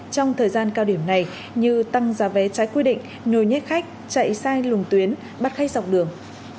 trong thời gian cao điểm này như tăng giá vé trái quy định nhồi nhét khách chạy sai lùng tuyến bắt khách dọc đường